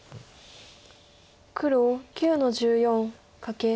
黒９の十四カケ。